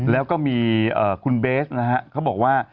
แล้วก็มีคุณเบสนะฮะเขาบอกว่า